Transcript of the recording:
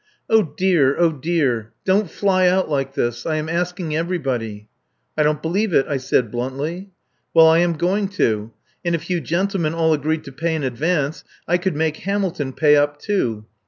"Oh, dear! Oh, dear! Don't fly out like this. I am asking everybody." "I don't believe it," I said bluntly. "Well, I am going to. And if you gentlemen all agreed to pay in advance I could make Hamilton pay up, too.